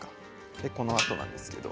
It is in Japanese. でこのあとなんですけど。